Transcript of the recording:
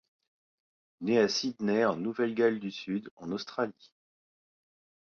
Née à Sydney en Nouvelle-Galles du Sud en Australie.